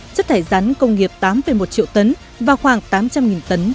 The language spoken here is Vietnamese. chất thải rắn công nghiệp tám một triệu tấn và khoảng tám trăm linh tấn